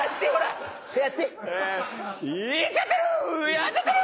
「ヤっちゃってる！